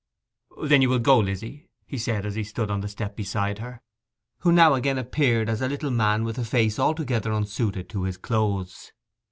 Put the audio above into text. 'Then you will go, Lizzy?' he said as he stood on the step beside her, who now again appeared as a little man with a face altogether unsuited to his clothes.